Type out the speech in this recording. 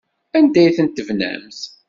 Anda ay tent-tebnamt?